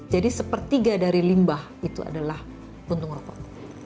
jadi sepertiga dari limbah itu adalah puntung rokok